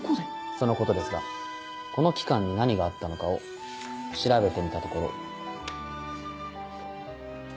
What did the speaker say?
そのことですがこの期間に何があったのかを調べてみたところ。